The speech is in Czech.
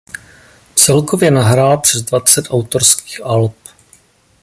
Celkově nahrál přes dvacet autorských alb.